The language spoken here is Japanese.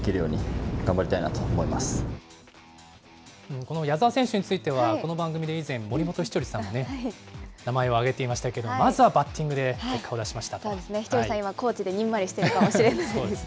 この矢澤選手については、この番組で以前、森本稀哲さんも名前を挙げてましたけども、まずはバッティングで稀哲さん、コーチで今、にんまりしているかもしれませんね。